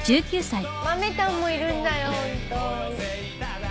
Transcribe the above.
豆たんもいるんだよ。